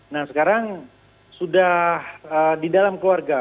nah sekarang sudah di dalam keluarga